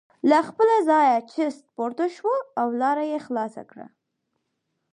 له خپله ځایه چست پورته شو او لاره یې خلاصه کړه.